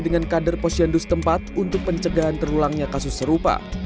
dengan kader posyandu setempat untuk pencegahan terulangnya kasus serupa